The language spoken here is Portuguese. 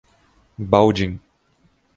Baldim